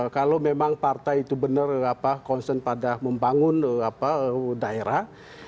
kalau memang partai itu benar concern pada membangun daerah